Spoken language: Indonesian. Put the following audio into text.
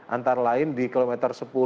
antara lain di kilometer sepuluh